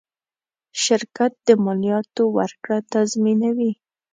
شرکت د مالیاتو ورکړه تضمینوي.